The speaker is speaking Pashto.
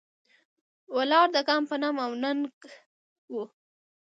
ولاړ د کام په نام او ننګ و.